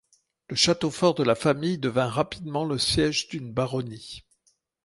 Le château fort de la famille devint rapidement le siège d'une baronnie.